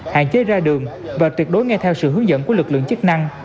hạn chế ra đường và tuyệt đối ngay theo sự hướng dẫn của lực lượng chức năng